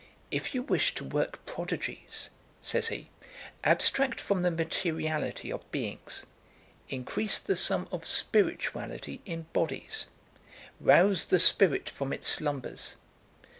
"If you wish to work prodigies," says he, "abstract from the materiality of beings increase the sum of spirituality in bodies rouse the spirit from its slumbers.